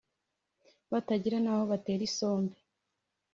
batagira n'aho batera isombe